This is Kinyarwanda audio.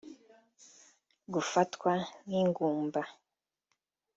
Gufatwa nk’ingumba